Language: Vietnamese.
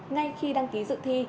ngay khi đăng ký dự thi